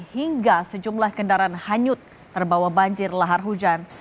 hingga sejumlah kendaraan hanyut terbawa banjir lahar hujan